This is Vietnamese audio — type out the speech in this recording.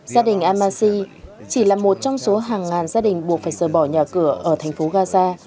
gia đình amashi chỉ là một trong số hàng ngàn gia đình buộc phải rời bỏ nhà cửa ở thành phố gaza